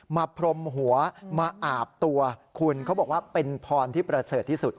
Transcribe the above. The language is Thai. พรมหัวมาอาบตัวคุณเขาบอกว่าเป็นพรที่ประเสริฐที่สุด